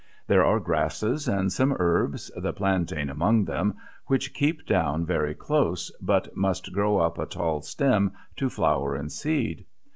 There are grasses and some herbs, the plantain among them, which keep down very close but must throw up a tall stem to flower and seed.